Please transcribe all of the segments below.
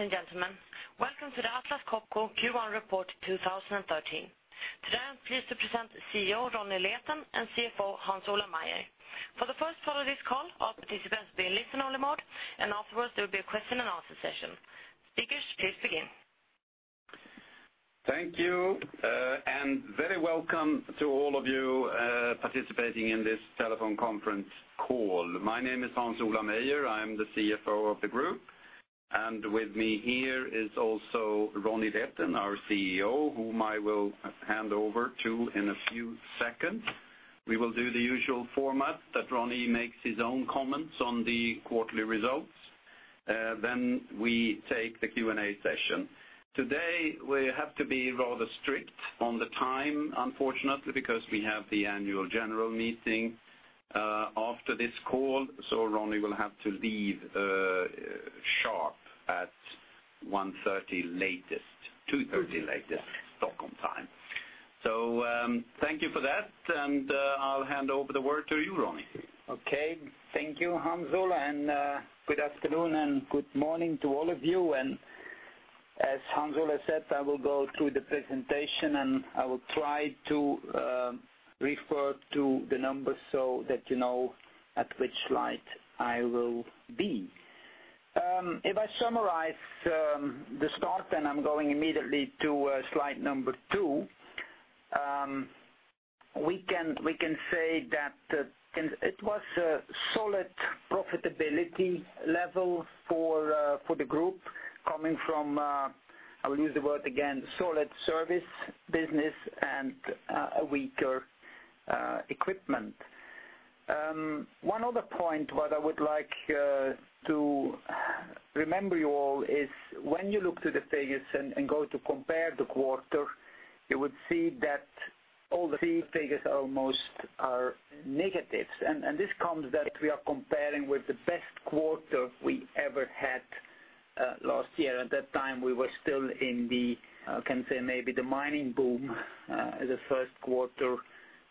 Ladies and gentlemen, welcome to the Atlas Copco Q1 Report 2013. Today, I am pleased to present CEO Ronnie Leten and CFO Hans-Ola Meyer. For the first part of this call, all participants will be in listen-only mode, afterwards there will be a question and answer session. Speakers, please begin. Thank you, very welcome to all of you participating in this telephone conference call. My name is Hans-Ola Meyer. I am the CFO of the group. With me here is also Ronnie Leten, our CEO, whom I will hand over to in a few seconds. We will do the usual format, that Ronnie makes his own comments on the quarterly results, we take the Q&A session. Today, we have to be rather strict on the time, unfortunately, because we have the annual general meeting after this call. Ronnie will have to leave sharp at 1:30 P.M. latest, 2:30 P.M. latest Stockholm time. Thank you for that, I will hand over the word to you, Ronnie. Okay. Thank you, Hans-Ola, good afternoon and good morning to all of you. As Hans-Ola said, I will go through the presentation I will try to refer to the numbers so that you know at which slide I will be. If I summarize the start, I am going immediately to slide number two. We can say that it was a solid profitability level for the group coming from, I will use the word again, solid service business and a weaker equipment. One other point what I would like to remember you all is when you look to the figures and go to compare the quarter, you would see that all the three figures almost are negatives. This comes that we are comparing with the best quarter we ever had, last year. At that time, we were still in the, can say maybe the mining boom, the first quarter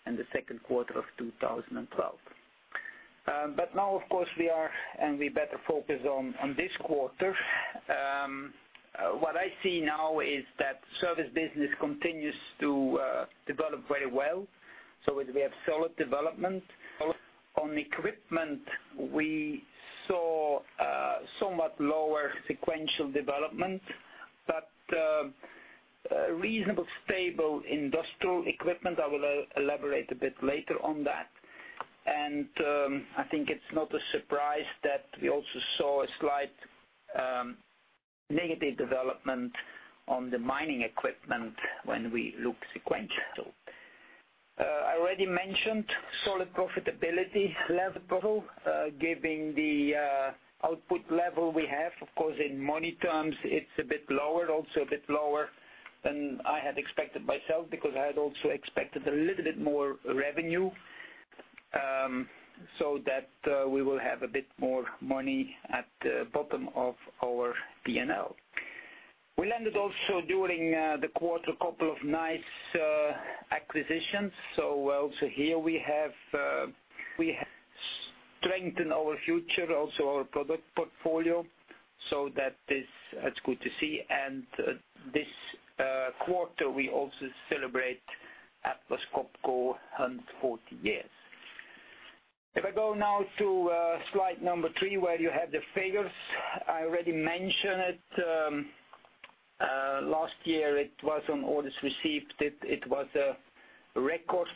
and the second quarter of 2012. Now, of course, we are we better focus on this quarter. What I see now is that service business continues to develop very well. We have solid development. On equipment, we saw somewhat lower sequential development, but reasonable stable industrial equipment. I will elaborate a bit later on that. I think it is not a surprise that we also saw a slight negative development on the mining equipment when we look sequential. I already mentioned solid profitability level, given the output level we have. Of course, in money terms, it is a bit lower, also a bit lower than I had expected myself because I had also expected a little bit more revenue, so that we will have a bit more money at the bottom of our P&L. We landed also during the quarter, a couple of nice acquisitions. Also here we have strengthened our future, also our product portfolio. That is good to see. This quarter, we also celebrate Atlas Copco 140 years. If I go now to slide number three, where you have the figures, I already mentioned it. Last year it was on orders received. It was a record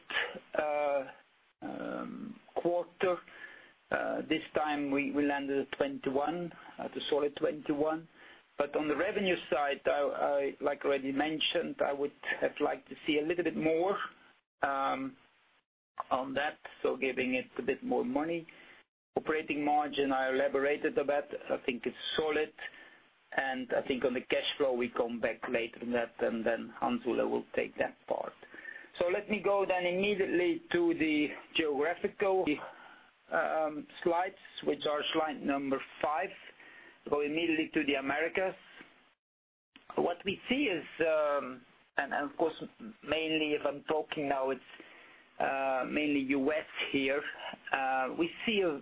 quarter. This time we landed at 21, at a solid 21. On the revenue side, like I already mentioned, I would have liked to see a little bit more on that, so giving it a bit more money. Operating margin, I elaborated a bit. I think it is solid, and I think on the cash flow, we come back later on that, and then Hans-Ola will take that part. Let me go then immediately to the geographical slides, which are slide number five. Go immediately to the Americas. What we see is, of course, mainly if I am talking now, it is mainly U.S. here. We see a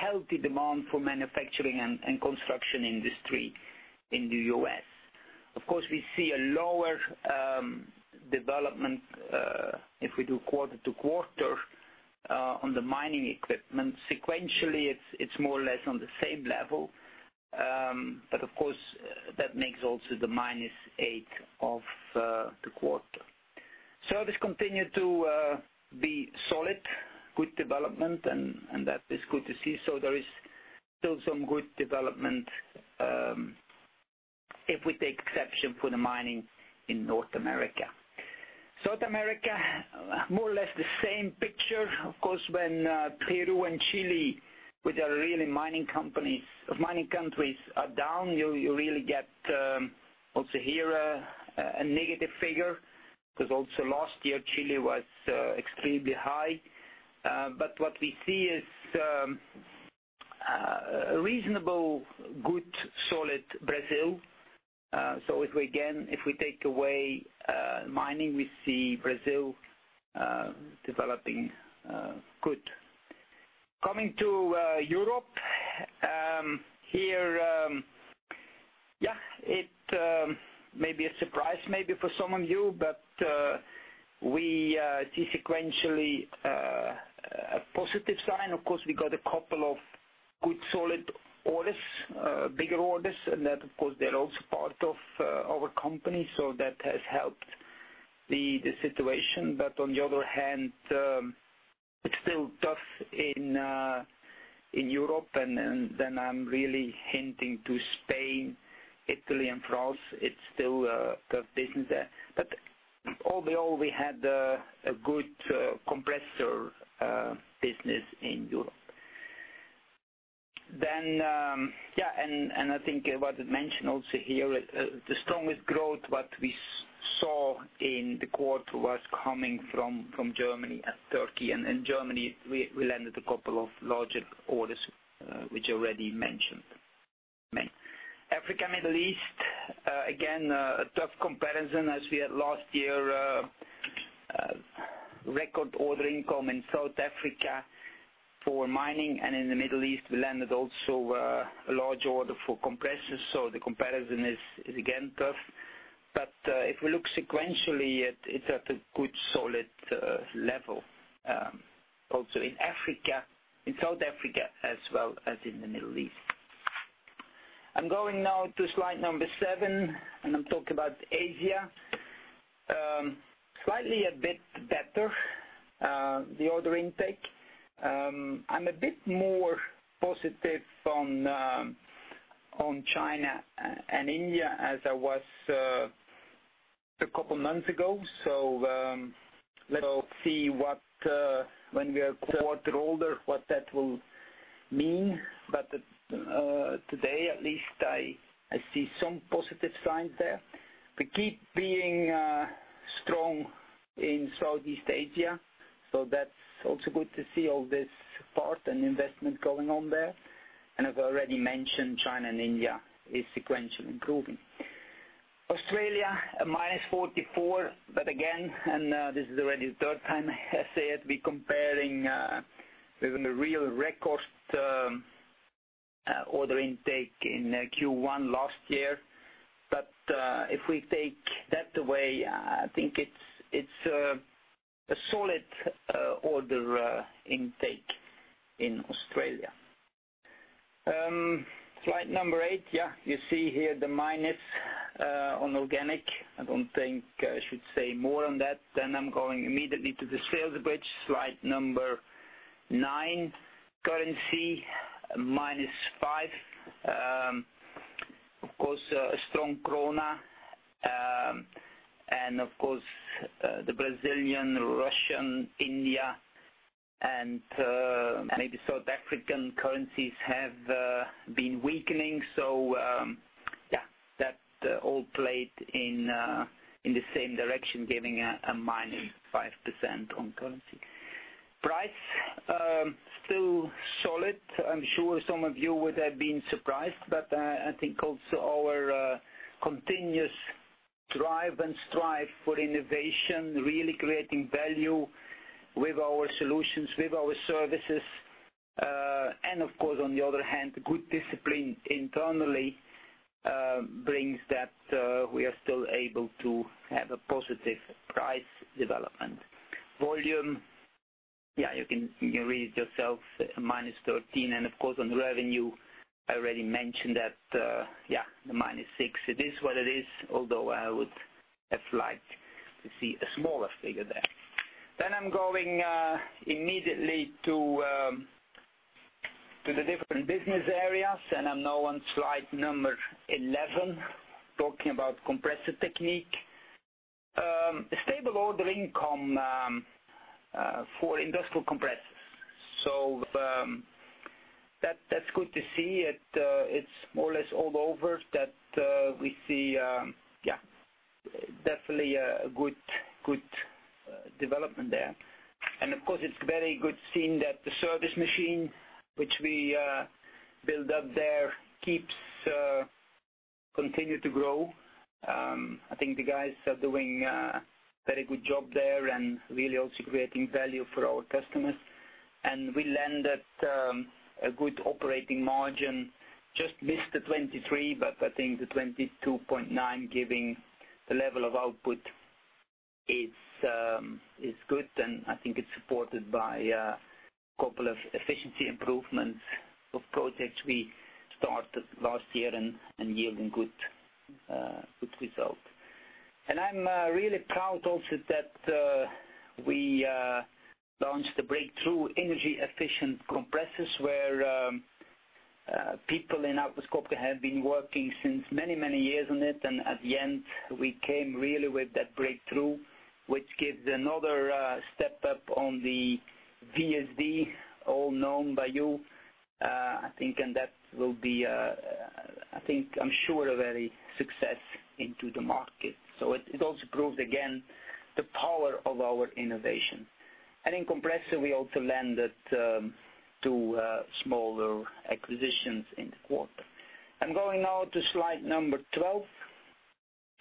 healthy demand for manufacturing and construction industry in the U.S. Of course, we see a lower development, if we do quarter-over-quarter, on the mining equipment. Sequentially, it is more or less on the same level. Of course, that makes also the minus eight of the quarter. Service continued to be solid, good development, and that is good to see. There is still some good development, if we take exception for the mining in North America. South America, more or less the same picture. Of course, when Peru and Chile, which are really mining countries, are down, you really get, also here, a negative figure, because also last year, Chile was extremely high. What we see is a reasonable, good, solid Brazil. If we, again, if we take away mining, we see Brazil developing good. Coming to Europe. Here, it may be a surprise maybe for some of you, but we see sequentially a positive sign. Of course, we got a couple of good solid orders, bigger orders, and that, of course, they are also part of our company, so that has helped the situation. On the other hand, it is still tough in Europe, and then I am really hinting to Spain, Italy, and France. It is still tough business there. All in all, we had a good compressor business in Europe. I think what I mentioned also here, the strongest growth, what we saw in the quarter was coming from Germany and Turkey. In Germany, we landed a couple of larger orders, which I already mentioned. Africa, Middle East, again, a tough comparison as we had last year, record order income in South Africa for mining, and in the Middle East, we landed also a large order for compressors, so the comparison is again tough. If we look sequentially, it is at a good solid level. Also in South Africa as well as in the Middle East. I am going now to slide number seven, and I am talking about Asia. Slightly a bit better, the order intake. I am a bit more positive on China and India as I was a couple months ago. Let us see when we are a quarter older, what that will mean. Today, at least, I see some positive signs there. We keep being strong in Southeast Asia, that's also good to see all this part and investment going on there. I've already mentioned China and India is sequentially improving. Australia, a -44%. Again, and this is already the third time I say it, we're comparing with a real record order intake in Q1 last year. If we take that away, I think it's a solid order intake in Australia. Slide number eight. You see here the minus on organic. I don't think I should say more on that. I'm going immediately to the sales bridge, slide number nine. Currency, -5%. Of course, a strong krona. Of course, the Brazilian, Russian, India, and maybe South African currencies have been weakening. That all played in the same direction, giving a -5% on currency. Price, still solid. I'm sure some of you would have been surprised, I think also our continuous drive and strive for innovation, really creating value with our solutions, with our services. Of course, on the other hand, good discipline internally brings that we are still able to have a positive price development. Volume, you can read it yourself, -13%. Of course, on revenue, I already mentioned that the -6%. It is what it is, although I would have liked to see a smaller figure there. I'm going immediately to the different business areas, I'm now on slide number 11, talking about Compressor Technique. A stable order income for industrial compressors. That's good to see. It's more or less all over that we see definitely a good development there. Of course, it's very good seeing that the service machine, which we build up there, keeps continue to grow. I think the guys are doing a very good job there and really also creating value for our customers. We landed a good operating margin. Just missed the 23%, I think the 22.9% giving the level of output is good, and I think it's supported by a couple of efficiency improvements of projects we started last year and yielding good results. I'm really proud also that we launched the breakthrough energy efficient compressors where people in Atlas Copco have been working since many, many years on it, at the end, we came really with that breakthrough, which gives another step up on the VSD, all known by you. I think, that will be, I'm sure a very success into the market. It also proves again, the power of our innovation. In Compressor, we also landed two smaller acquisitions in the quarter. I'm going now to slide number 12.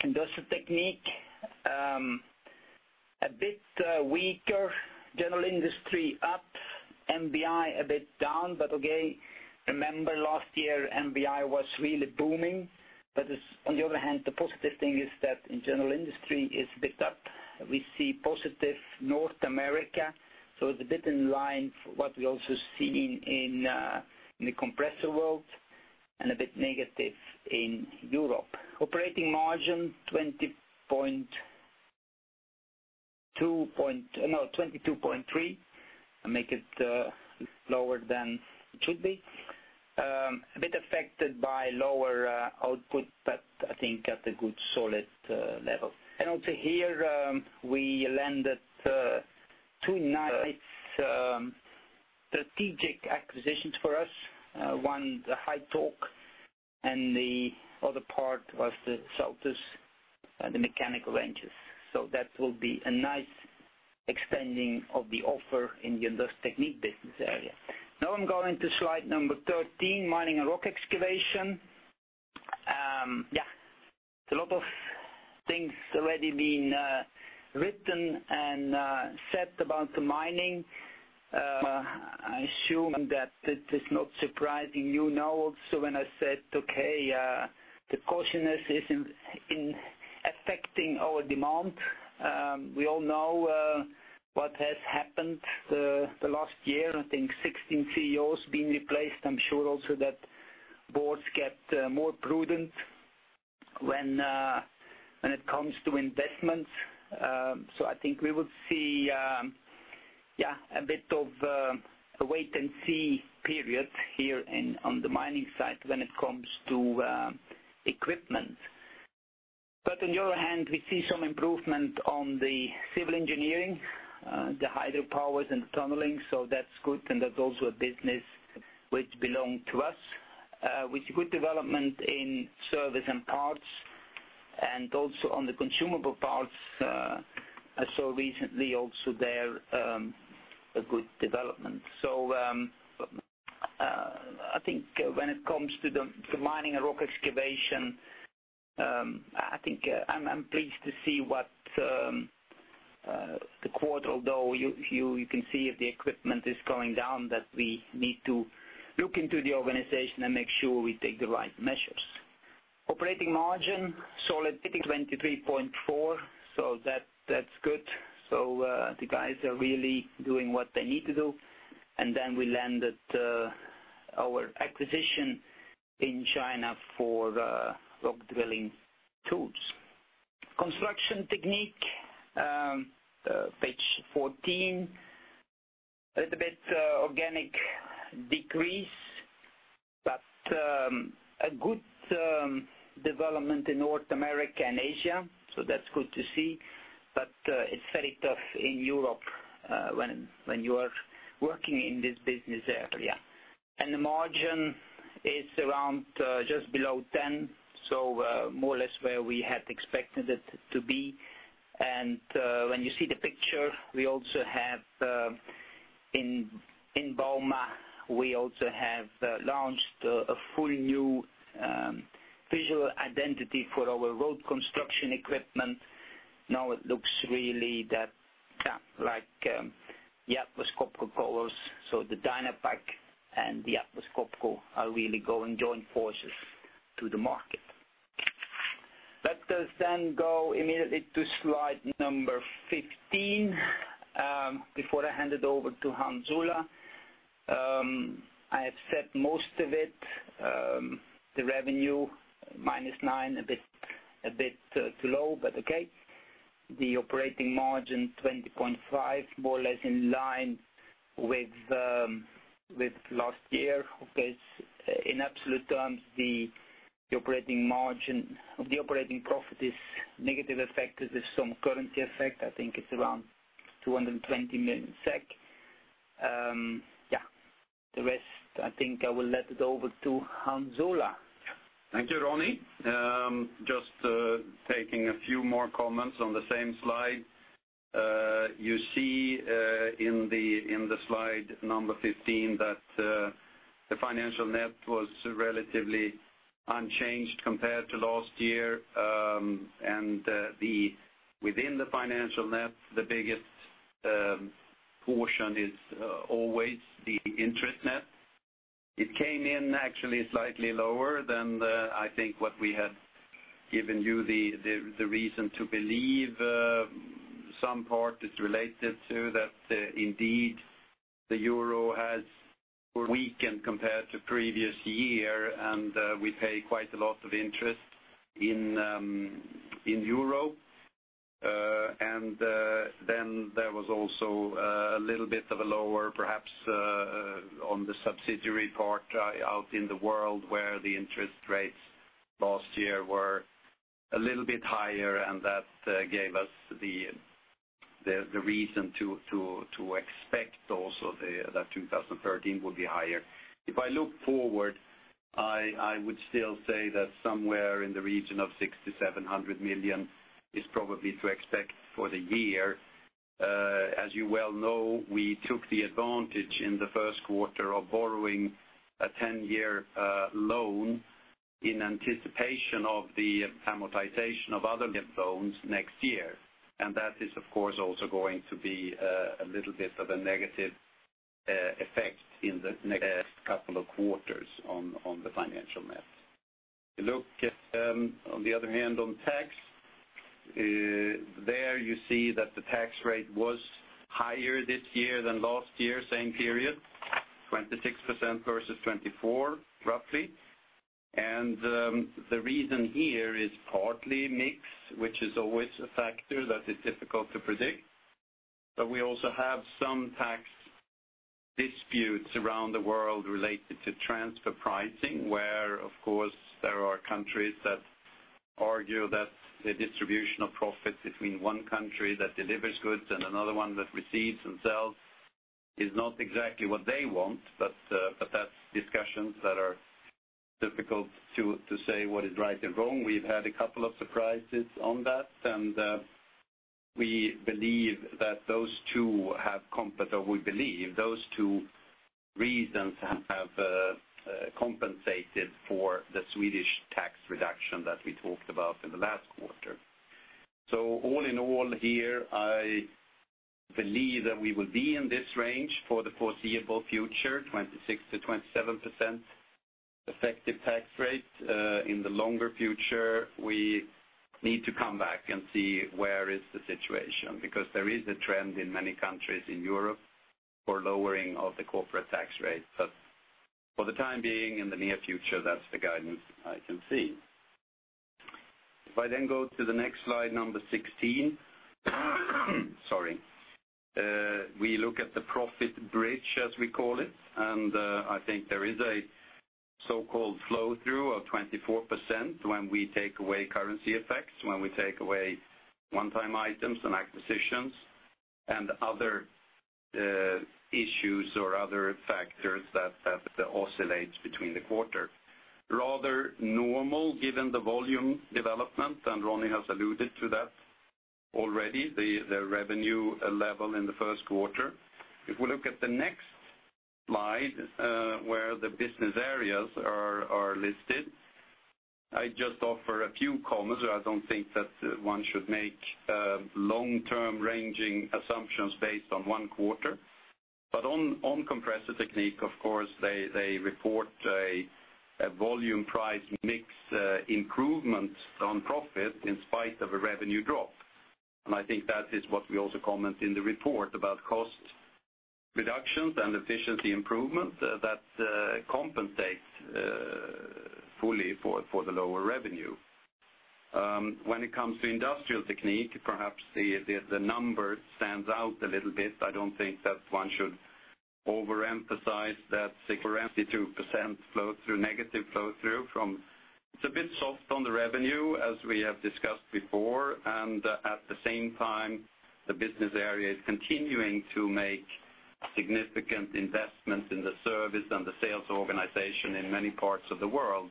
Industrial Technique. A bit weaker. General industry up, MVI a bit down, okay. Remember last year MVI was really booming, on the other hand, the positive thing is that general industry is a bit up. We see positive North America, it's a bit in line for what we also see in the compressor world, a bit negative in Europe. Operating margin 22.3%, I make it lower than it should be. A bit affected by lower output, I think at a good, solid level. Also here, we landed two nice strategic acquisitions for us. One, the Hightorque, the other part was the Saltus mechanical wrenches. So that will be a nice expanding of the offer in the Industrial Technique business area. Now I am going to slide number 13, Mining and Rock Excavation. A lot of things already been written and said about the mining. I assume that it is not surprising you know also when I said, okay, the cautiousness is affecting our demand. We all know what has happened the last year. I think 16 CEOs been replaced. I am sure also that boards get more prudent when it comes to investments. I think we will see a bit of a wait and see period here on the mining side when it comes to equipment. On the other hand, we see some improvement on the civil engineering, the hydropower, and the tunneling, so that is good, and that is also a business which belong to us. With good development in service and parts, and also on the consumable parts, I saw recently also there a good development. I think when it comes to Mining and Rock Excavation, I am pleased to see what the quarter, although you can see if the equipment is going down, that we need to look into the organization and make sure we take the right measures. Operating margin, solid 23.4%, so that is good. The guys are really doing what they need to do. Then we landed our acquisition in China for rock drilling tools. Construction Technique, page 14. A little bit organic decrease, but a good development in North America and Asia, so that is good to see. But it is very tough in Europe when you are working in this business area. The margin is around just below 10%, so more or less where we had expected it to be. When you see the picture, we also have in bauma, we also have launched a fully new visual identity for our road construction equipment. Now it looks really like the Atlas Copco colors. The Dynapac and the Atlas Copco are really going joint forces to the market. Let us go immediately to slide number 15, before I hand it over to Hans Ola. I have said most of it. The revenue, -9%, a bit low, but okay. The operating margin, 20.5%, more or less in line with last year. In absolute terms, the operating profit is negative affected with some currency effect. I think it is around 220 million SEK. The rest, I think I will let it over to Hans Ola. Thank you, Ronnie. Just taking a few more comments on the same slide. You see in the slide number 15 that the financial net was relatively unchanged compared to last year. Within the financial net, the biggest portion is always the interest net. It came in actually slightly lower than, I think, what we had given you the reason to believe. Some part is related to that indeed, the EUR has weakened compared to previous year, and we pay quite a lot of interest in EUR. Then there was also a little bit of a lower, perhaps, on the subsidiary part out in the world where the interest rates last year were a little bit higher, and that gave us the reason to expect also that 2013 will be higher. If I look forward, I would still say that somewhere in the region of 6,700 million is probably to expect for the year. As you well know, we took the advantage in Q1 of borrowing a 10-year loan in anticipation of the amortization of other leaseholds next year. That is, of course, also going to be a little bit of a negative effect in the next couple of quarters on the [financial math]. If you look at, on the other hand, on tax, there you see that the tax rate was higher this year than last year, same period, 26% versus 24%, roughly. The reason here is partly mix, which is always a factor that is difficult to predict. We also have some tax disputes around the world related to transfer pricing, where, of course, there are countries that argue that the distribution of profits between one country that delivers goods and another one that receives and sells is not exactly what they want, but that is discussions that are difficult to say what is right and wrong. We have had a couple of surprises on that, and we believe those two reasons have compensated for the Swedish tax reduction that we talked about in the last quarter. All in all here, I believe that we will be in this range for the foreseeable future, 26%-27% effective tax rate. In the longer future, we need to come back and see where is the situation, there is a trend in many countries in Europe for lowering of the corporate tax rate. For the time being, in the near future, that is the guidance I can see. If I go to the next slide, number 16. Sorry. We look at the profit bridge, as we call it, I think there is a so-called flow-through of 24% when we take away currency effects, when we take away one-time items and acquisitions, and other issues or other factors that oscillates between the quarter. Rather normal given the volume development, and Ronnie has alluded to that already, the revenue level in Q1. If we look at the next slide, where the business areas are listed. I just offer a few comments. I do not think that one should make long-term ranging assumptions based on one quarter. On Compressor Technique, of course, they report a volume price mix improvement on profit in spite of a revenue drop. I think that is what we also comment in the report about cost reductions and efficiency improvement that compensates fully for the lower revenue. When it comes to Industrial Technique, perhaps the number stands out a little bit. I do not think that one should overemphasize that 22% negative flow-through. It is a bit soft on the revenue, as we have discussed before, at the same time, the business area is continuing to make significant investments in the service and the sales organization in many parts of the world,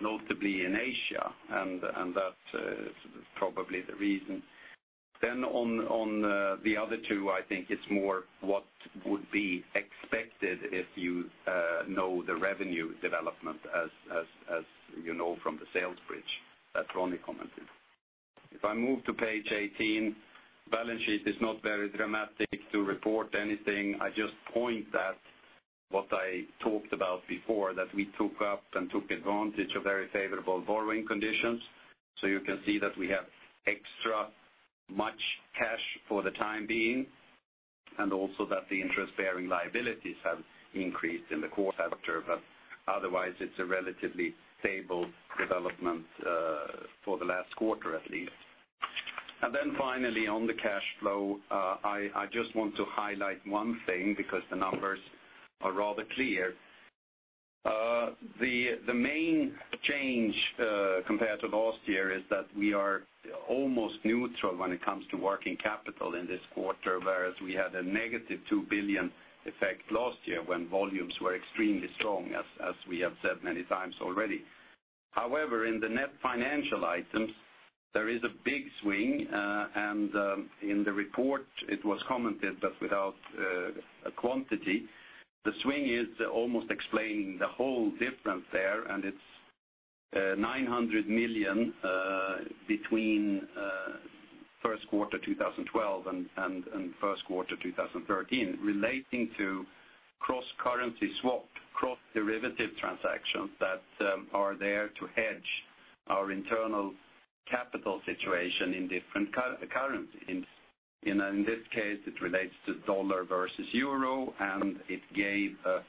notably in Asia, that is probably the reason. On the other two, I think it is more what would be expected if you know the revenue development as you know from the sales bridge that Ronnie commented. If I move to page 18, balance sheet is not very dramatic to report anything. I just point that what I talked about before, that we took up and took advantage of very favorable borrowing conditions. You can see that we have extra much cash for the time being, and also that the interest-bearing liabilities have increased in the quarter. Otherwise, it is a relatively stable development for the last quarter, at least. Finally, on the cash flow, I just want to highlight one thing because the numbers are rather clear. The main change, compared to last year, is that we are almost neutral when it comes to working capital in this quarter, whereas we had a negative 2 billion effect last year when volumes were extremely strong, as we have said many times already. However, in the net financial items, there is a big swing, and in the report, it was commented, but without a quantity. The swing is almost explaining the whole difference there. It is 900 million between first quarter 2012 and first quarter 2013, relating to cross-currency swap, cross-derivative transactions that are there to hedge our internal capital situation in different currencies. In this case, it relates to USD versus EUR, and it gave a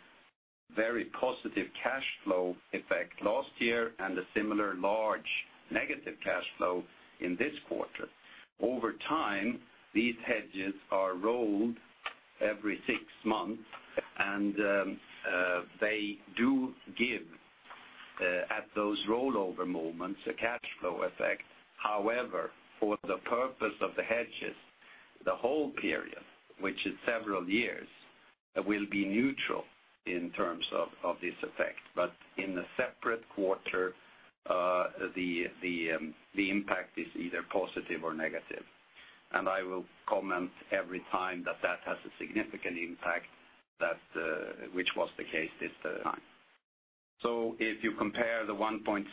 very positive cash flow effect last year and a similar large negative cash flow in this quarter. Over time, these hedges are rolled every six months, and they do give, at those rollover moments, a cash flow effect. However, for the purpose of the hedges, the whole period, which is several years, will be neutral in terms of this effect. In the separate quarter, the impact is either positive or negative. I will comment every time that that has a significant impact, which was the case this time. If you compare the 1.6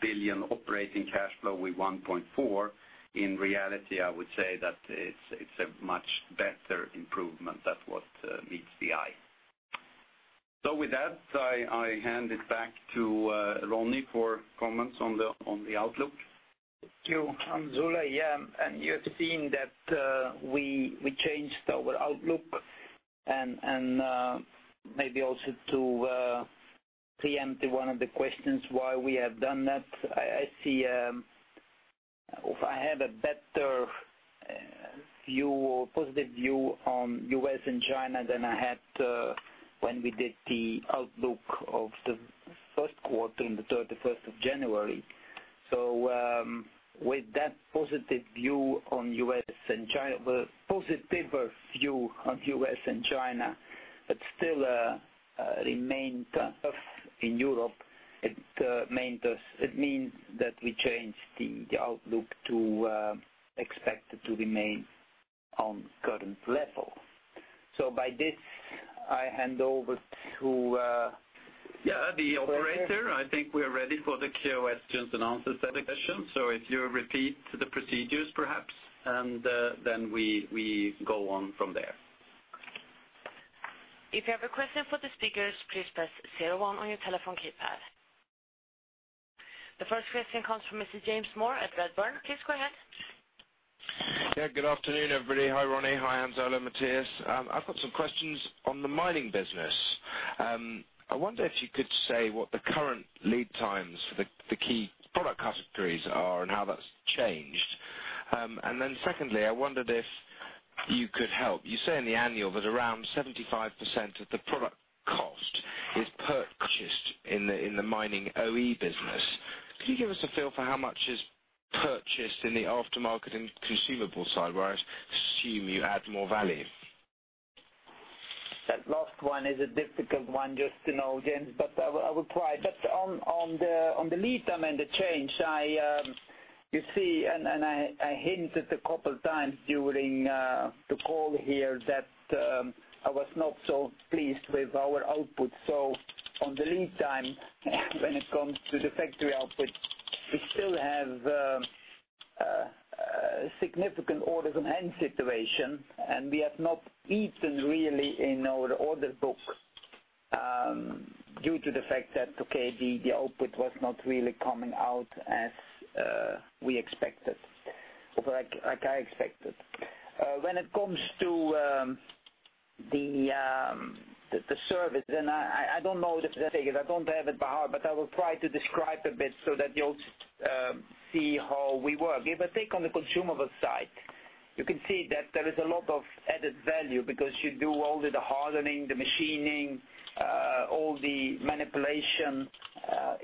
billion operating cash flow with 1.4 billion, in reality, I would say that it is a much better improvement than what meets the eye. With that, I hand it back to Ronnie for comments on the outlook. Thank you, Hans Ola. Yeah. You have seen that we changed our outlook, and maybe also to preempt one of the questions why we have done that. I have a better positive view on U.S. and China than I had when we did the outlook of the first quarter on the 31st of January. With that positive view on U.S. and China, but a positiver view on U.S. and China, still remained tough in Europe, it means that we changed the outlook to expect it to remain on current level. By this, I hand over to. Yeah, the operator. I think we are ready for the Q&A session. If you repeat the procedures, perhaps, and then we go on from there. If you have a question for the speakers, please press zero one on your telephone keypad. The first question comes from Mr. James Moore at Redburn. Please go ahead. Yeah, good afternoon, everybody. Hi, Ronnie. Hi, Hans Ola, Mattias. I have got some questions on the mining business. I wonder if you could say what the current lead times for the key product categories are and how that is changed. Secondly, I wondered if you could help. You say in the annual that around 75% of the product cost is purchased in the mining OE business. Could you give us a feel for how much is purchased in the aftermarket and consumable side, where I assume you add more value? That last one is a difficult one just to know, James, I will try. On the lead time and the change, you see, and I hinted a couple times during the call here that I was not so pleased with our output. On the lead time, when it comes to the factory output, we still have a significant orders on hand situation, and we have not eaten really in our order book, due to the fact that, okay, the output was not really coming out as we expected. Like I expected. When it comes to the service, I don't know the figure, I don't have it by heart, but I will try to describe a bit so that you'll see how we work. If I take on the consumable side, you can see that there is a lot of added value because you do all the hardening, the machining, all the manipulation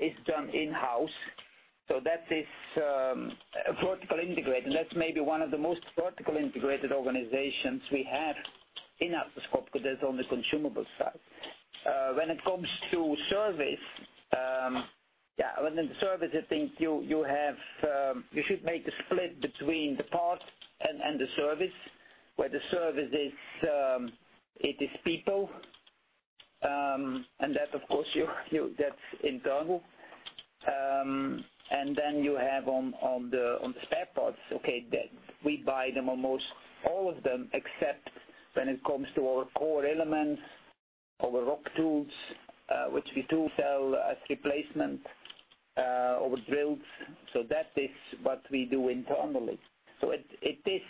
is done in-house. That is a vertical integration. That's maybe one of the most vertical integrated organizations we have in Atlas Copco that's on the consumable side. When it comes to service, I think you should make a split between the part and the service, where the service it is people, and that, of course, that's internal. Then you have on the spare parts, okay, we buy them, almost all of them, except when it comes to our core elements, our rock tools, which we do sell as replacement, or drills. That is what we do internally. It is,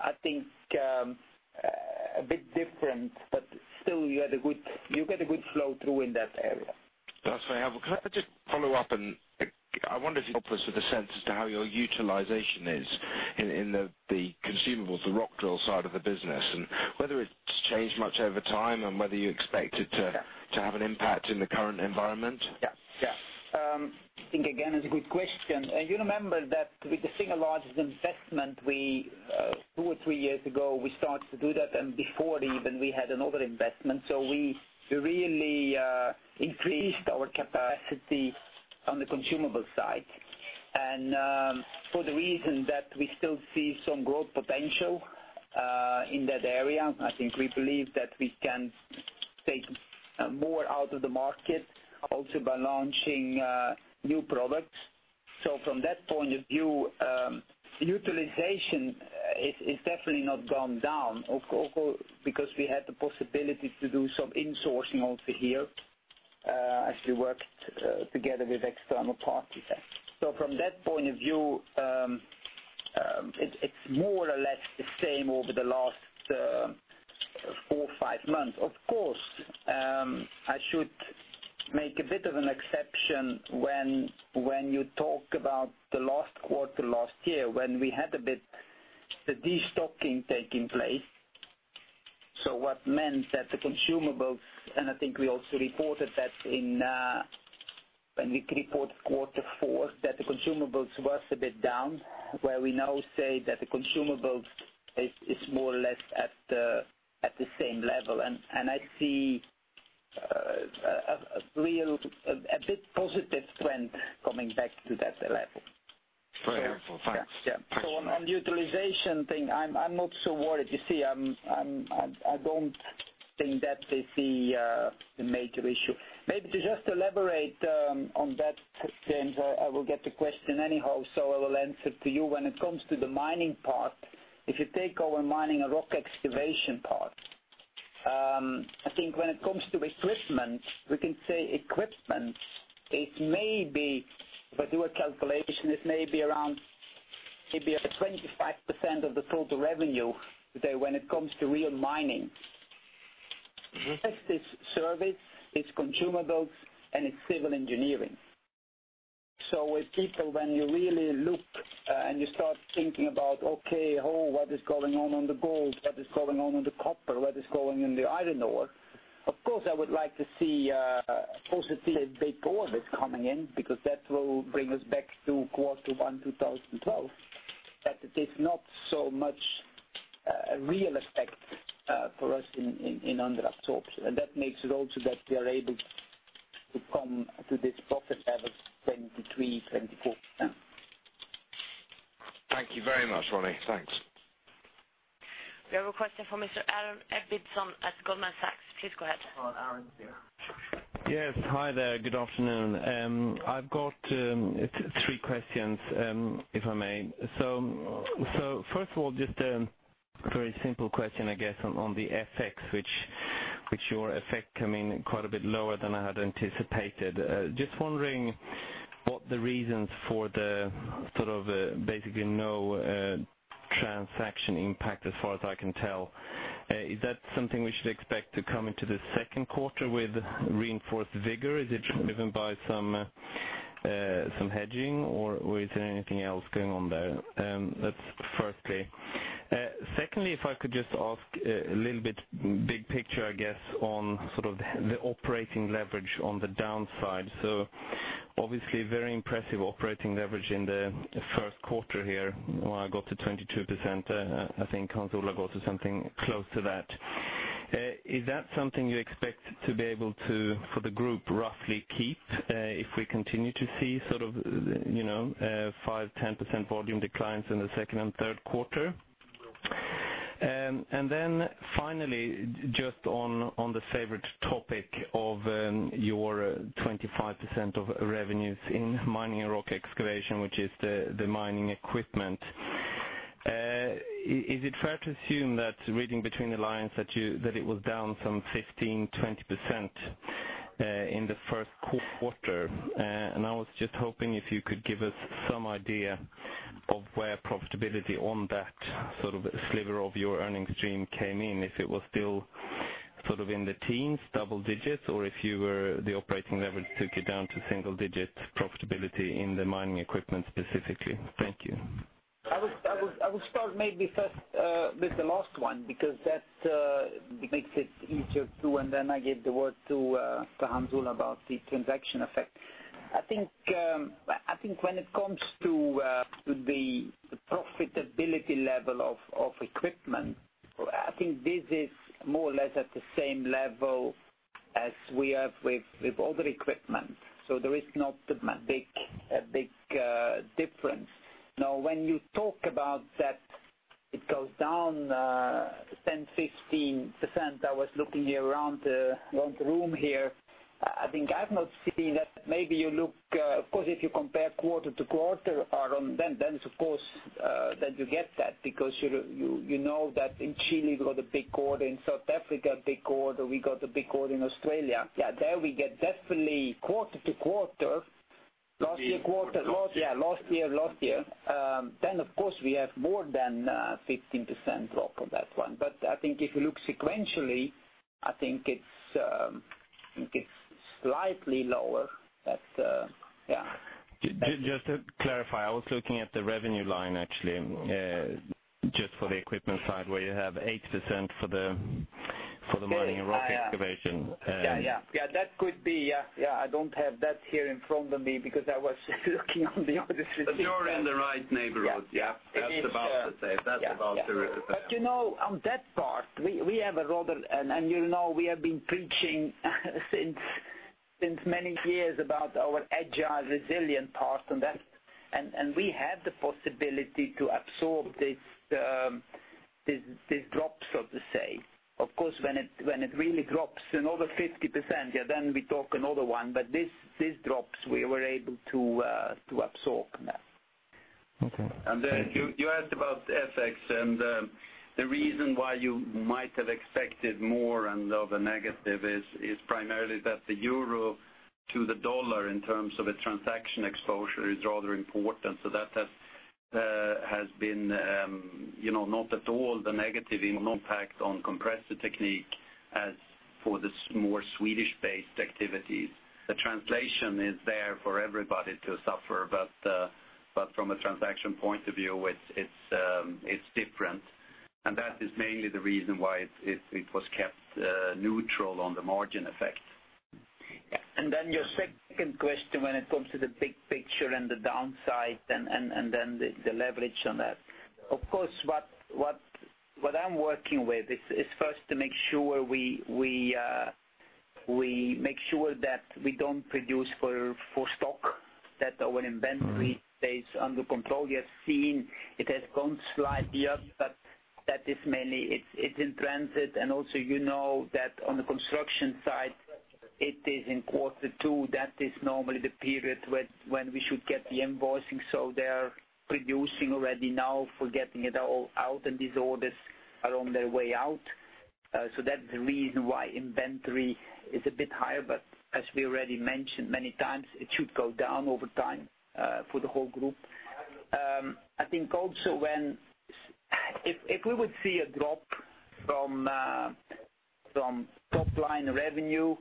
I think, a bit different, but still you get a good flow-through in that area. That's very helpful. Can I just follow up and I wonder if you can help us with a sense as to how your utilization is in the consumables, the rock drill side of the business, and whether it's changed much over time and whether you expect it to have an impact in the current environment? I think, again, it's a good question. You remember that with the single largest investment, two or three years ago, we started to do that, and before even we had another investment. We really increased our capacity on the consumable side. For the reason that we still see some growth potential in that area, I think we believe that we can take more out of the market also by launching new products. From that point of view, utilization is definitely not gone down, although because we had the possibility to do some insourcing also here, as we worked together with external parties. From that point of view, it's more or less the same over the last four or five months. Of course, I should make a bit of an exception when you talk about the last quarter last year, when we had a bit the de-stocking taking place. What meant that the consumables, and I think we also reported that when we reported quarter four, that the consumables was a bit down, where we now say that the consumables is more or less at the same level. I see a bit positive trend coming back to that level. Very helpful. Thanks. On the utilization thing, I'm not so worried. You see, I don't think that is the major issue. Maybe to just elaborate on that, James, I will get the question anyhow, so I will answer to you. When it comes to the mining part, if you take our Mining and Rock Excavation part, I think when it comes to equipment, we can say equipment, if I do a calculation, it may be around maybe at 25% of the total revenue there when it comes to real mining. Rest is service, it's consumables, and it's civil engineering. With people, when you really look and you start thinking about, okay, what is going on on the gold? What is going on in the copper? What is going in the iron ore? Of course, I would like to see a positive big orders coming in, because that will bring us back to Q1 2012, but it is not so much a real effect for us in under that talk. That makes it also that we are able to come to this profit level 23%, 24%. Thank you very much, Ronnie. Thanks. We have a question from Mr. Aron Ebbidson at Goldman Sachs. Please go ahead. Aron, you're on. Yes. Hi there. Good afternoon. I've got three questions, if I may. First of all, just a very simple question, I guess, on the FX, which your effect coming quite a bit lower than I had anticipated. Just wondering what the reasons for the sort of basically no transaction impact as far as I can tell. Is that something we should expect to come into the second quarter with reinforced vigor? Is it driven by some hedging, or is there anything else going on there? That's firstly. Secondly, if I could just ask a little bit big picture, I guess, on sort of the operating leverage on the downside. Obviously very impressive operating leverage in the first quarter here, when I got to 22%, I think Hans Ola got to something close to that. Is that something you expect to be able to, for the group, roughly keep, if we continue to see sort of 5%, 10% volume declines in the second and third quarter? Finally, just on the favorite topic of your 25% of revenues in Mining and Rock Excavation, which is the mining equipment. Is it fair to assume that, reading between the lines, that it was down some 15%, 20% in the first quarter? And I was just hoping if you could give us some idea of where profitability on that sort of sliver of your earnings stream came in, if it was still sort of in the teens, double digits, or if the operating leverage took you down to single-digit profitability in the mining equipment specifically. Thank you. I will start maybe first with the last one, because that makes it easier, too, and then I give the word to Hans Ola about the transaction effect. I think when it comes to the profitability level of equipment, I think this is more or less at the same level as we have with other equipment. There is not a big difference. Now, when you talk about that it goes down 10, 15%, I was looking around the room here. I think I've not seen that. Maybe you look, of course, if you compare quarter-to-quarter, Aron, then of course, that you get that, because you know that in Chile we got a big order, in South Africa, big order. We got a big order in Australia. There we get definitely quarter-to-quarter, last year, quarter, last year. Of course, we have more than a 15% drop on that one. I think if you look sequentially, I think it's slightly lower. Just to clarify, I was looking at the revenue line, actually, just for the equipment side, where you have 8% for the Mining and Rock Excavation. Yeah. That could be, yeah. I don't have that here in front of me because I was looking on the other sheet. You're in the right neighborhood. Yeah. That's about to say. You know, on that part, you know we have been preaching since many years about our agile, resilient part, and we have the possibility to absorb these drops, so to say. Of course, when it really drops in over 50%, we talk another one. These drops, we were able to absorb. Okay. Thank you. You asked about FX. The reason why you might have expected more of a negative is primarily that the EUR to the USD in terms of a transaction exposure is rather important. That has been not at all the negative impact on Compressor Technique as for the more Swedish-based activities. The translation is there for everybody to suffer, but from a transaction point of view, it's different. That is mainly the reason why it was kept neutral on the margin effect. Your second question when it comes to the big picture and the downside and the leverage on that. Of course, what I'm working with is first to make sure that we don't produce for stock, that our inventory stays under control. You have seen it has gone slightly up, but that is mainly, it's in transit, and also you know that on the construction side, it is in Q2. That is normally the period when we should get the invoicing. They're producing already now for getting it all out, and these orders are on their way out. That's the reason why inventory is a bit higher, but as we already mentioned many times, it should go down over time, for the whole group. If we would see a drop from top-line revenue,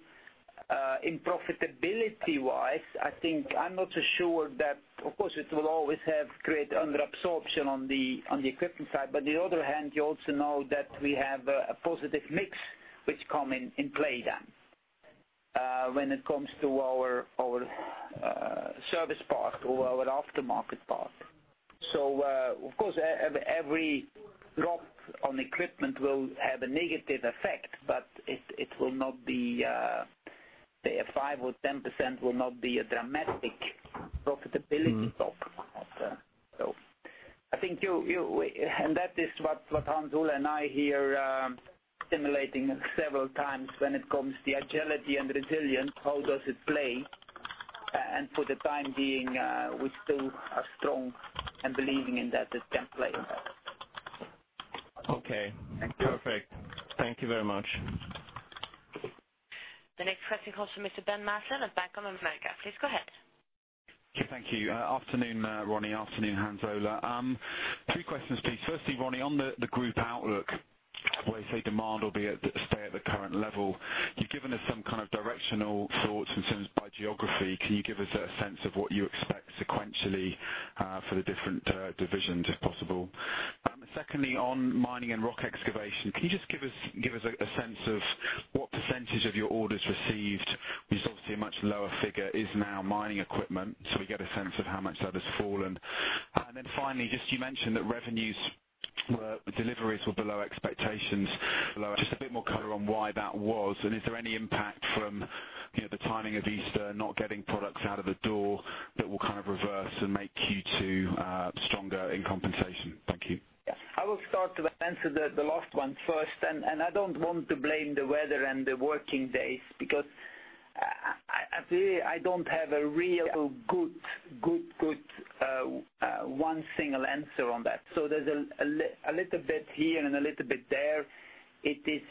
in profitability-wise, I'm not so sure that, of course, it will always have great under absorption on the equipment side. On the other hand, you also know that we have a positive mix which come in play then, when it comes to our service part or our aftermarket part. Of course, every drop on equipment will have a negative effect, but it will not be, say, a 5% or 10% will not be a dramatic profitability drop. That is what Hans Ola and I hear simulating several times when it comes to agility and resilience, how does it play? For the time being, we still are strong and believing in that it can play. Okay. Thank you. Perfect. Thank you very much. The next question comes from Mr. Ben Mason of Bank of America. Please go ahead. Thank you. Afternoon, Ronnie. Afternoon, Hans Ola. Three questions, please. Firstly, Ronnie, on the group outlook, where you say demand will stay at the current level. You've given us some kind of directional thoughts in terms by geography. Can you give us a sense of what you expect sequentially for the different divisions, if possible? Secondly, on Mining and Rock Excavation, can you just give us a sense of what % of your orders received, which is obviously a much lower figure, is now mining equipment, so we get a sense of how much that has fallen. Finally, you mentioned that deliveries were below expectations. Just a bit more color on why that was, and is there any impact from the timing of Easter, not getting products out of the door that will kind of reverse and make Q2 stronger in compensation? Thank you. I will start to answer the last one first. I don't want to blame the weather and the working days, because I really, I don't have a real good one single answer on that. There's a little bit here and a little bit there. It is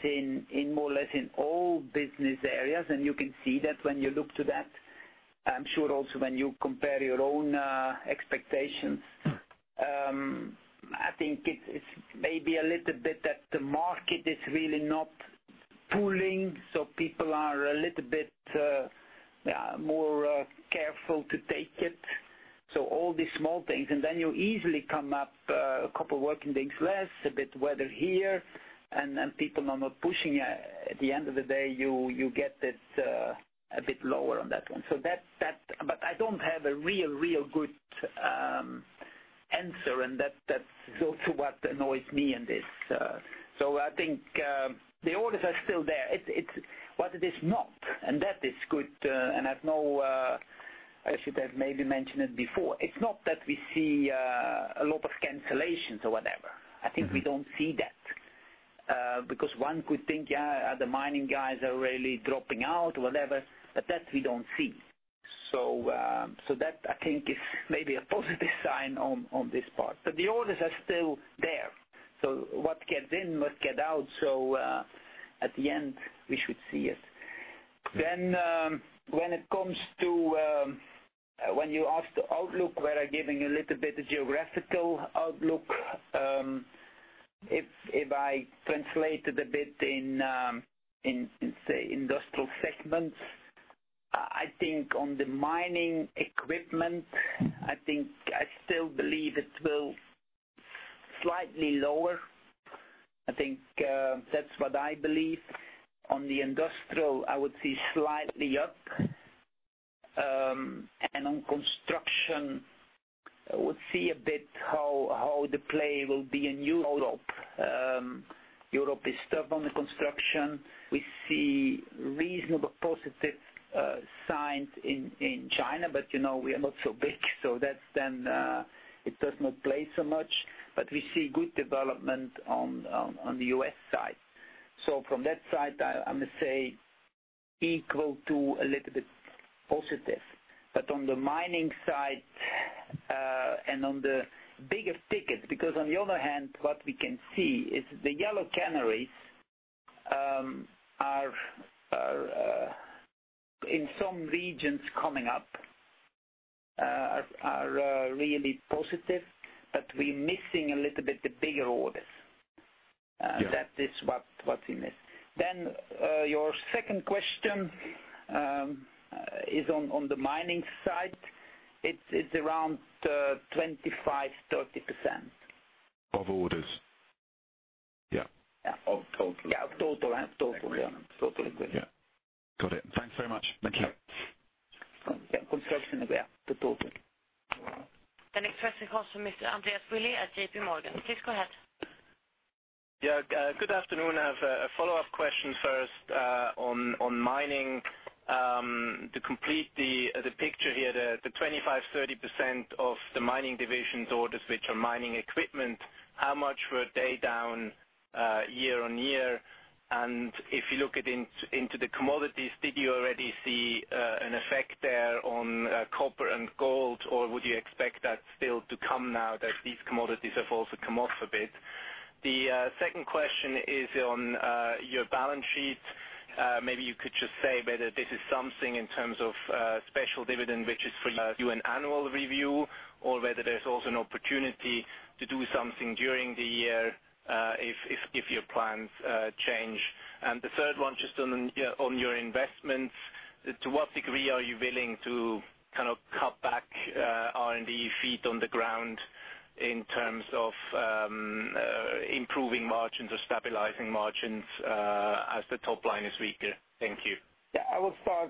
in more or less in all business areas. You can see that when you look to that. I'm sure also when you compare your own expectations. I think it's maybe a little bit that the market is really not pulling. People are a little bit, more careful to take it. All these small things. You easily come up, a couple working days less, a bit weather here. Then people are not pushing. At the end of the day, you get it a bit lower on that one. I don't have a real good answer, and that's also what annoys me in this. I think, the orders are still there. It's what it is not, and that is good. I should have maybe mentioned it before. It's not that we see a lot of cancellations or whatever. I think we don't see that. Because one could think, yeah, the mining guys are really dropping out, whatever, but that we don't see. That I think is maybe a positive sign on this part. The orders are still there. What gets in must get out. At the end, we should see it. When it comes to, when you asked the outlook, where I giving a little bit of geographical outlook, if I translated a bit in, say, industrial segments, I think on the mining equipment, I think I still believe it will slightly lower. I think, that's what I believe. On the Industrial Technique, I would see slightly up. On Construction Technique, we'll see a bit how the play will be in Europe. Europe is tough on the construction. We see reasonable positive signs in China, but we are not so big, so that's then, it does not play so much. We see good development on the U.S. side. From that side, I must say equal to a little bit positive. On the mining side, and on the bigger tickets, because on the other hand, what we can see is the yellow canaries are, in some regions coming up, are really positive, but we're missing a little bit the bigger orders. Yeah. That is what we miss. Your second question, is on the mining side. It's around 25%-30%. Of orders? Yeah. Yeah. Of total. Yeah, of total. Total equipment. Yeah. Got it. Thanks very much. Thank you. Yeah. Construction, yeah. The total. The next question comes from Mr. Andreas Willi at JP Morgan. Please go ahead. Yeah, good afternoon. I have a follow-up question first, on Mining. To complete the picture here, the 25%-30% of the Mining division's orders, which are mining equipment, how much were they down year-on-year? If you look into the commodities, did you already see an effect there on copper and gold, or would you expect that still to come now that these commodities have also come off a bit? The second question is on your balance sheet. Maybe you could just say whether this is something in terms of special dividend, which is for you an annual review or whether there's also an opportunity to do something during the year, if your plans change. The third one, just on your investments. To what degree are you willing to cut back R&D feet on the ground in terms of improving margins or stabilizing margins, as the top line is weaker? Thank you. Yeah, I will start,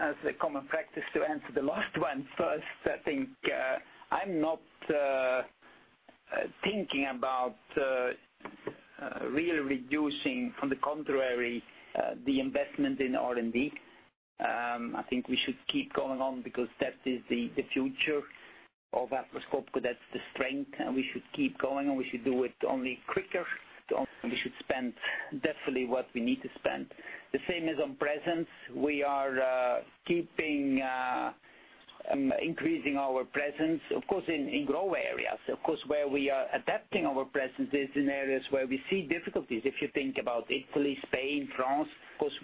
as a common practice to answer the last one first. I think, I'm not thinking about really reducing, on the contrary, the investment in R&D. I think we should keep going on because that is the future of Atlas Copco. That's the strength. We should keep going. We should do it only quicker. We should spend definitely what we need to spend. The same is on presence. We are keeping increasing our presence, of course, in grow areas. Where we are adapting our presence is in areas where we see difficulties. If you think about Italy, Spain, France,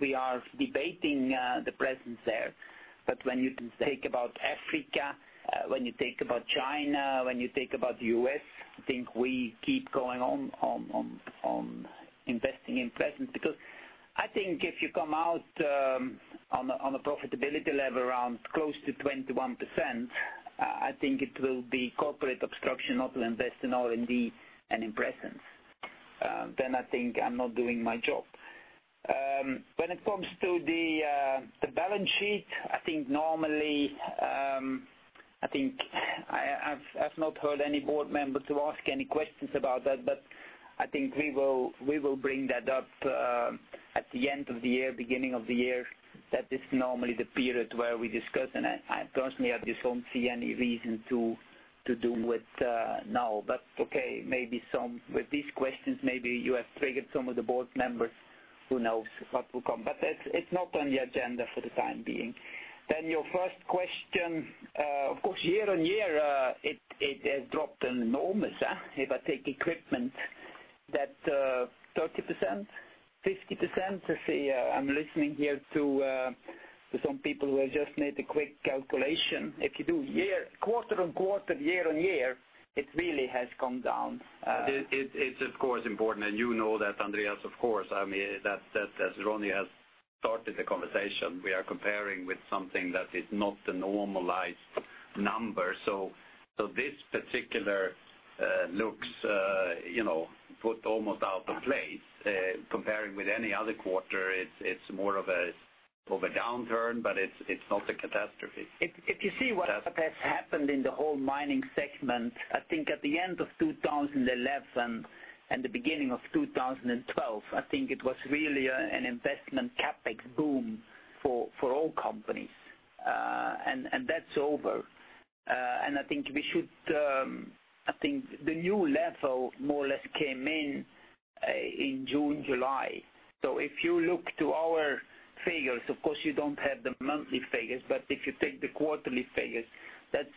we are debating the presence there. When you think about Africa, when you think about China, when you think about the U.S., I think we keep going on investing in presence because I think if you come out on a profitability level around close to 21%, I think it will be corporate obstruction not to invest in R&D and in presence. I think I'm not doing my job. When it comes to the balance sheet, I have not heard any board member to ask any questions about that. I think we will bring that up at the end of the year, beginning of the year. That is normally the period where we discuss. I personally just don't see any reason to do it now. Okay, with these questions, maybe you have triggered some of the board members. Who knows what will come. It's not on the agenda for the time being. Your first question, year-on-year, it has dropped enormous. If I take equipment that 30%, 50%, let's say, I'm listening here to some people who have just made a quick calculation. If you do quarter-on-quarter, year-on-year, it really has come down. It's of course important, and you know that, Andreas, of course. Ronnie has started the conversation, we are comparing with something that is not the normalized number. This particular looks put almost out of place, comparing with any other quarter, it's more of a downturn, but it's not a catastrophe. If you see what has happened in the whole mining segment, I think at the end of 2011 and the beginning of 2012, I think it was really an investment CapEx boom for all companies. That's over. I think the new level more or less came in June, July. If you look to our figures, of course you don't have the monthly figures, but if you take the quarterly figures, that's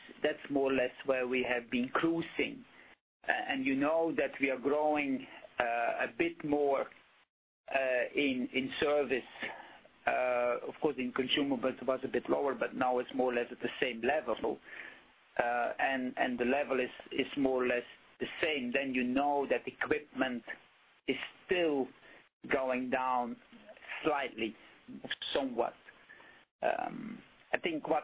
more or less where we have been cruising. You know that we are growing a bit more in service. Of course in consumable it was a bit lower, but now it's more or less at the same level. The level is more or less the same. You know that equipment is still going down slightly, somewhat. I think what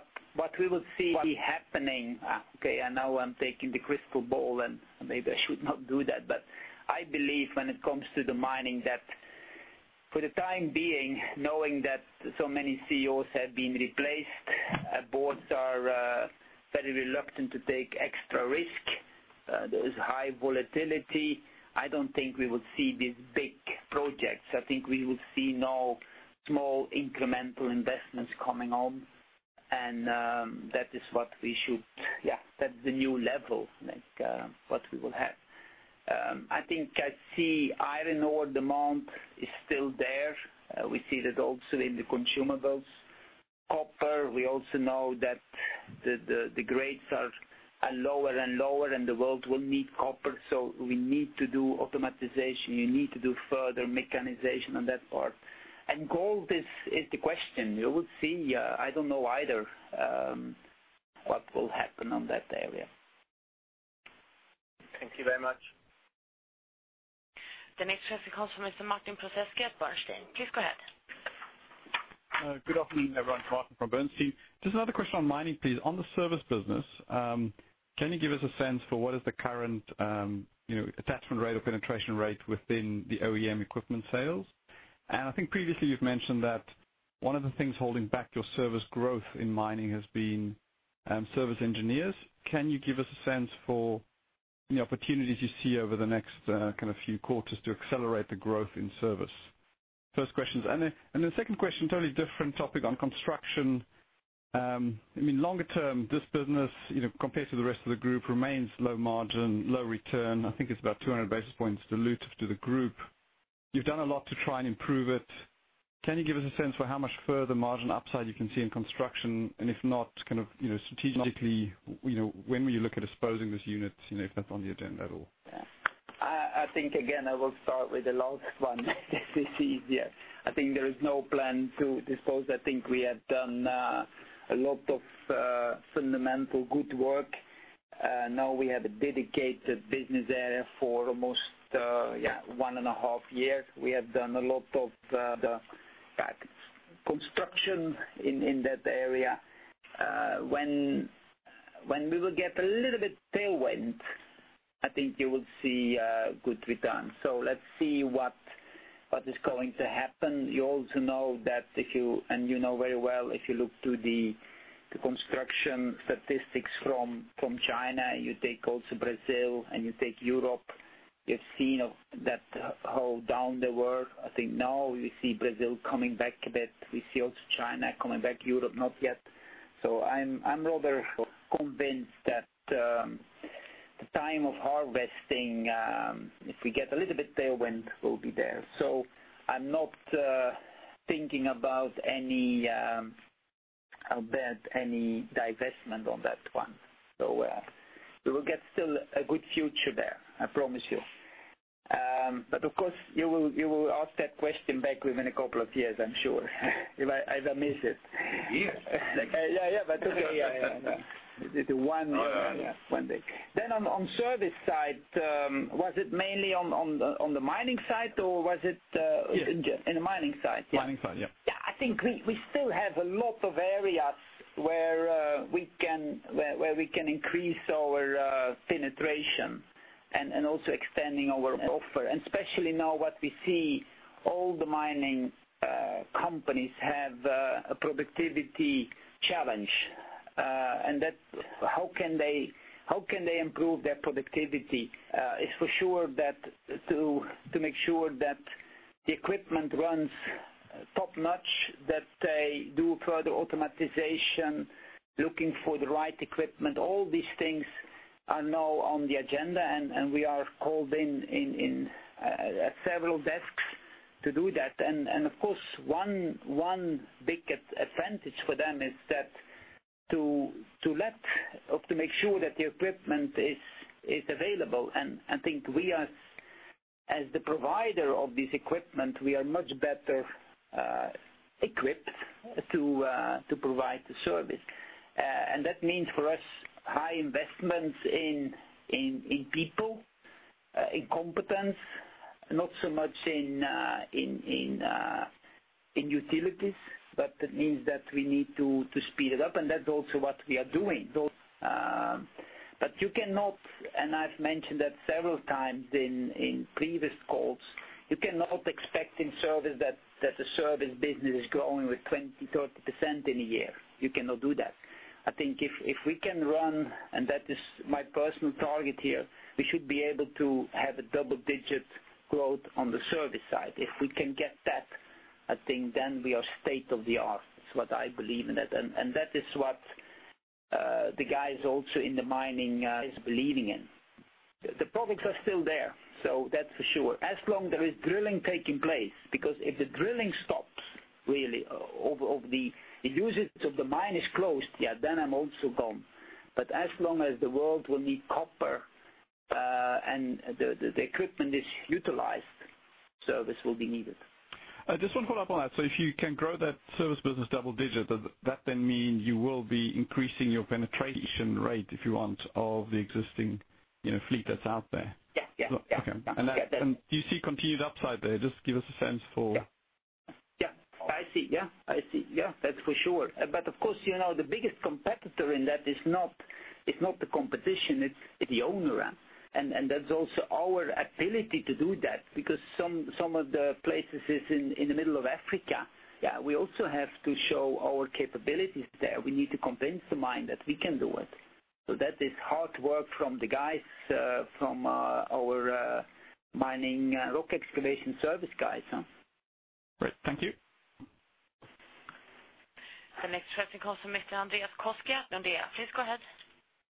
we will see happening, okay, now I'm taking the crystal ball, maybe I should not do that, I believe when it comes to the mining, that for the time being, knowing that so many CEOs have been replaced, boards are very reluctant to take extra risk. There is high volatility. I don't think we will see these big projects. I think we will see now small incremental investments coming on. That's the new level, like what we will have. I think I see iron ore demand is still there. We see that also in the consumables. Copper, we also know that the grades are lower and lower, the world will need copper, we need to do automatization. You need to do further mechanization on that part. Gold is the question. We will see. I don't know either what will happen on that area. Thank you very much. The next question comes from Mr. Martin Prozesky at Bernstein. Please go ahead. Good afternoon, everyone. Martin from Bernstein. Just another question on mining, please. On the service business, can you give us a sense for what is the current attachment rate or penetration rate within the OEM equipment sales? I think previously you've mentioned that one of the things holding back your service growth in mining has been service engineers. Can you give us a sense for any opportunities you see over the next few quarters to accelerate the growth in service? First question. Second question, totally different topic, on construction. Longer term, this business, compared to the rest of the group, remains low margin, low return. I think it's about 200 basis points dilutive to the group. You've done a lot to try and improve it. Can you give us a sense for how much further margin upside you can see in construction? If not, strategically, when will you look at disposing this unit, if that's on the agenda at all? I think, again, I will start with the last one. This is easier. I think there is no plan to dispose. I think we have done a lot of fundamental good work. Now we have a dedicated business area for almost one and a half years. We have done a lot of the construction in that area. When we will get a little bit tailwind, I think you will see a good return. Let's see what is going to happen. You also know that if you, and you know very well, if you look to the construction statistics from China, you take also Brazil, and you take Europe, you've seen how down they were. I think now we see Brazil coming back a bit. We see also China coming back. Europe, not yet. I'm rather convinced that the time of harvesting, if we get a little bit tailwind, will be there. I'm not thinking about any divestment on that one. We will get still a good future there, I promise you. Of course, you will ask that question back within a couple of years, I'm sure, if I miss it. In years? Yeah. Okay. One day. On service side, was it mainly on the mining side, or was it Yeah. In the mining side, yeah. Mining side, yeah. Yeah, I think we still have a lot of areas where we can increase our penetration and also expanding our offer. Especially now what we see, all the mining companies have a productivity challenge. That's how can they improve their productivity? It's for sure that to make sure that the equipment runs top-notch, that they do further automatization, looking for the right equipment, all these things are now on the agenda, and we are called in at several desks to do that. Of course, one big advantage for them is that to let or to make sure that the equipment is available. I think we as the provider of this equipment, we are much better equipped to provide the service. That means for us, high investments in people, in competence, not so much in utilities, but it means that we need to speed it up. That's also what we are doing. You cannot, and I've mentioned that several times in previous calls, you cannot expect in service that the service business is growing with 20%, 30% in a year. You cannot do that. I think if we can run, and that is my personal target here, we should be able to have a double-digit growth on the service side. If we can get that, I think then we are state of the art. It's what I believe in. That is what the guys also in the mining is believing in. The products are still there, so that's for sure. As long there is drilling taking place, because if the drilling stops, really, of the usage of the mine is closed, yeah, then I'm also gone. As long as the world will need copper, and the equipment is utilized, service will be needed. Just one follow-up on that. If you can grow that service business double-digit, does that then mean you will be increasing your penetration rate, if you want, of the existing fleet that's out there? Yeah. Okay. Do you see continued upside there? I see. That's for sure. Of course, the biggest competitor in that is not the competition, it's the owner. That's also our ability to do that, because some of the places is in the middle of Africa. We also have to show our capabilities there. We need to convince the mine that we can do it. That is hard work from the guys, from our Mining Rock Excavation service guys. Great. Thank you. The next question comes from Mr. Andreas Koski. Andreas, please go ahead.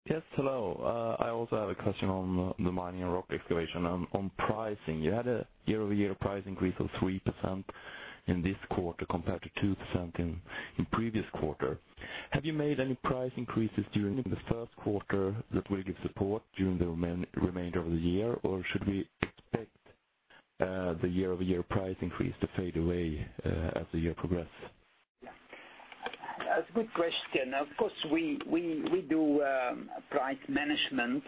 Yes, hello. I also have a question on the Mining and Rock Excavation. On pricing, you had a year-over-year price increase of 3% in this quarter compared to 2% in previous quarter. Have you made any price increases during the first quarter that will give support during the remainder of the year, or should we expect the year-over-year price increase to fade away as the year progress? That's a good question. Of course, we do price management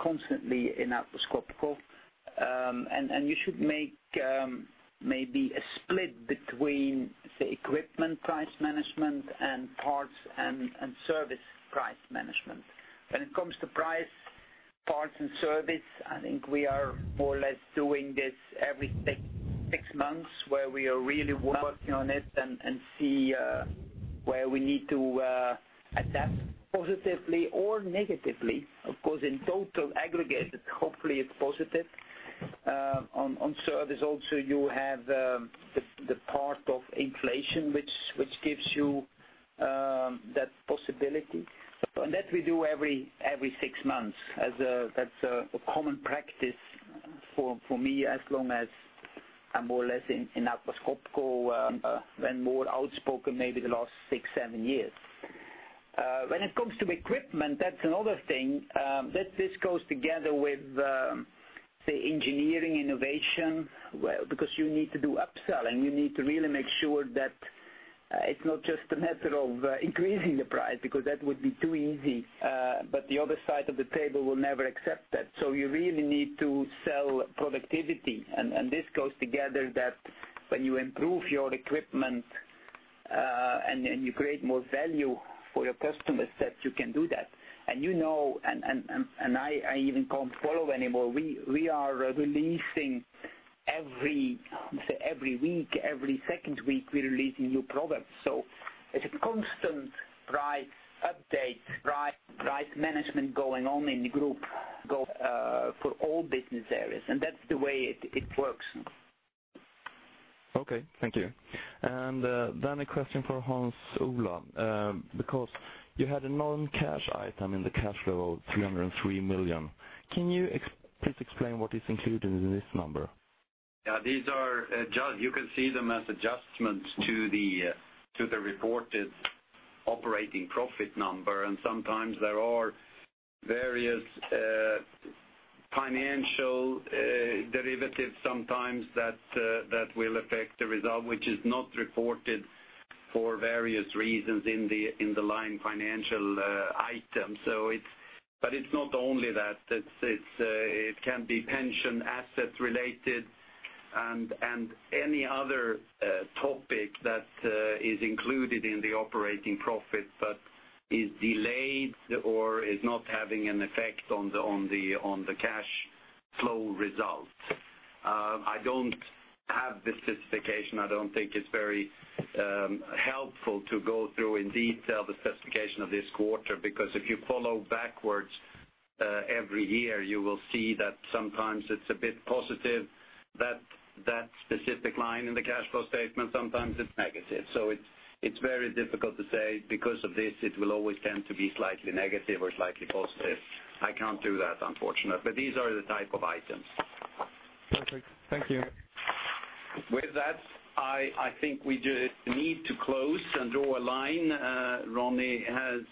constantly in Atlas Copco. You should make maybe a split between, say, equipment price management and parts and service price management. When it comes to price, parts, and service, I think we are more or less doing this every six months, where we are really working on it and see where we need to adapt positively or negatively. Of course, in total aggregate, hopefully it's positive. On service also, you have the part of inflation, which gives you that possibility. That we do every six months. That's a common practice for me, as long as I'm more or less in Atlas Copco, when more outspoken, maybe the last six, seven years. When it comes to equipment, that's another thing. This goes together with, say, engineering innovation, because you need to do upselling. You need to really make sure that it's not just a matter of increasing the price, because that would be too easy. The other side of the table will never accept that. You really need to sell productivity, and this goes together that when you improve your equipment and you create more value for your customers, that you can do that. You know, I even can't follow anymore, we are releasing every week, every second week, we're releasing new products. It's a constant price update, price management going on in the group for all business areas, and that's the way it works. Okay, thank you. Then a question for Hans Ola, because you had a non-cash item in the cash flow of 303 million. Can you please explain what is included in this number? You can see them as adjustments to the reported operating profit number, sometimes there are various financial derivatives that will affect the result, which is not reported for various reasons in the line financial item. It's not only that. It can be pension asset related and any other topic that is included in the operating profit, but is delayed or is not having an effect on the cash flow result. I don't have the specification. I don't think it's very helpful to go through in detail the specification of this quarter, because if you follow backwards every year, you will see that sometimes it's a bit positive, that specific line in the cash flow statement, sometimes it's negative. It's very difficult to say because of this, it will always tend to be slightly negative or slightly positive. I can't do that, unfortunately. These are the type of items. Perfect. Thank you. With that, I think we need to close and draw a line. Ronnie has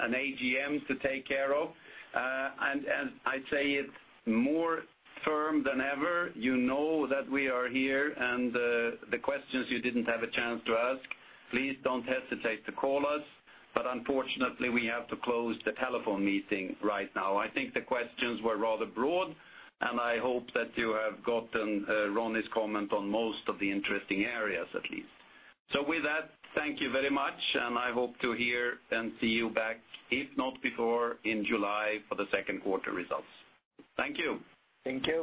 an AGM to take care of. I say it more firm than ever, you know that we are here, and the questions you didn't have a chance to ask, please don't hesitate to call us. Unfortunately, we have to close the telephone meeting right now. I think the questions were rather broad, and I hope that you have gotten Ronnie's comment on most of the interesting areas at least. With that, thank you very much, and I hope to hear and see you back, if not before, in July for the second quarter results. Thank you. Thank you.